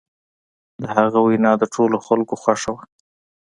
د هغه وینا د ټولو خلکو خوښه وه.